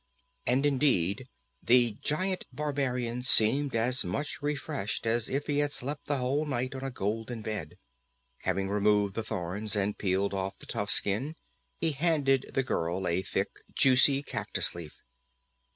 And indeed the giant barbarian seemed as much refreshed as if he had slept the whole night on a golden bed. Having removed the thorns, and peeled off the tough skin, he handed the girl a thick, juicy cactus leaf.